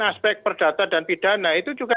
aspek perdata dan pidana itu juga